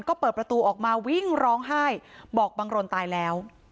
ก็เปิดประตูออกมาวิ่งร้องไห้บอกบังรนตายแล้ว